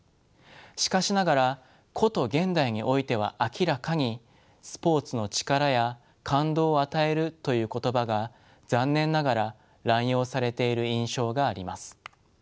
しかしながらこと現代においては明らかに「スポーツの力」や「感動を与える」という言葉が残念ながら濫用されている印象があります。